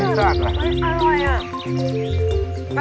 อื้อซักเหรอดีค่ะอร่อยอ่ะ